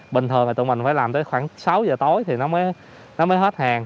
bình thường thì tụi mình phải làm tới khoảng sáu giờ tối thì nó mới hết hàng